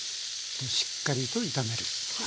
しっかりと炒める。